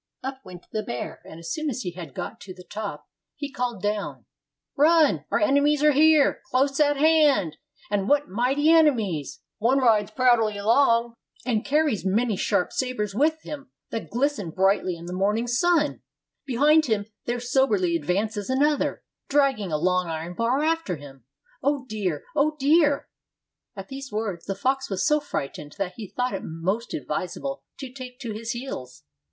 Up went the bear, and as soon as he had got to the top, he called down, "Run, our enemies are here, close at hand, and what mighty enemies ! One rides proudly along, and car ries many sharp sabers with him that glisten brightly in the morning sun; behind him there soberly advances another, dragging a long iron bar after him. O dear! O dear!" At these words the fox was so frightened that he thought it most advisable to take to his heels.